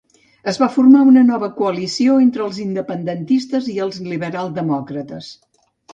Es va formar una nova coalició, entre els independentistes i els liberal-demòcrates.